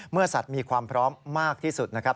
สัตว์มีความพร้อมมากที่สุดนะครับ